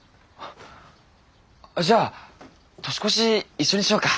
じゃあ年越し一緒にしようか。